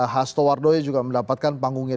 hastowardhoye juga mendapatkan panggungnya